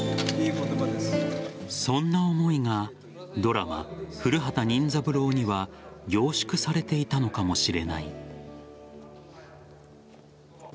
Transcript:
そんな思いがドラマ「古畑任三郎」には凝縮されていたのかもしれない。